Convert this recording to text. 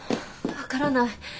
分からない。